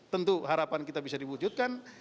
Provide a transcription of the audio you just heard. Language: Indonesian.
tentu harapan kita bisa diwujudkan